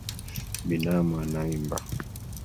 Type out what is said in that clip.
Binamu anaimba.